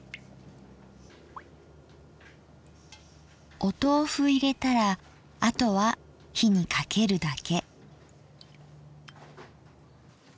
おとうふ入れたらあとは火にかけるだけ。